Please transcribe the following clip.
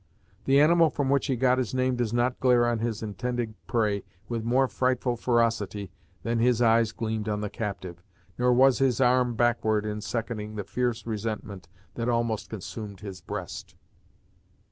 The animal from which he got his name does not glare on his intended prey with more frightful ferocity than his eyes gleamed on the captive, nor was his arm backward in seconding the fierce resentment that almost consumed his breast.